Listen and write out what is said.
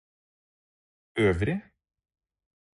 øvrig